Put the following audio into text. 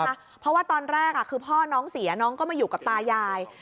เพราะว่าตอนแรกคือพ่อน้องเสียน้องก็มาอยู่กับตายาย